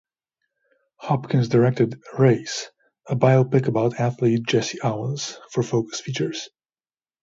Hopkins directed "Race", a biopic about athlete Jesse Owens for Focus Features.